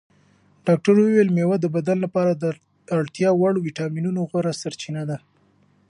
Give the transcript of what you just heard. ډاکتر وویل مېوه د بدن لپاره د اړتیا وړ ویټامینونو غوره سرچینه ده.